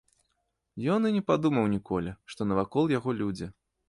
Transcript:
Ён і не падумаў ніколі, што навакол яго людзі.